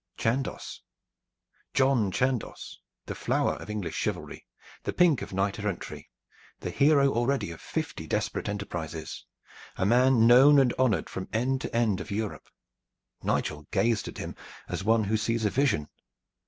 Chandos, John Chandos, the flower of English chivalry, the pink of knight errantry, the hero already of fifty desperate enterprises, a man known and honored from end to end of Europe! Nigel gazed at him as one who sees a vision.